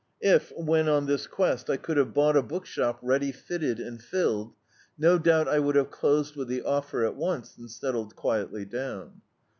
If, when on this quest, I could have bou^t a bookshop ready fitted and filled, no doubt I would have closed with the offer at once, and settled quietly down.